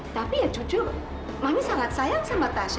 tapi ya jujur mami sangat sayang sama tasya